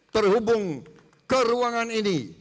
terhubung ke ruangan ini